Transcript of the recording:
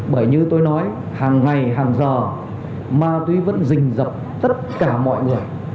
bởi như tôi nói hàng ngày hàng giờ ma túy vẫn dình dập tất cả mọi người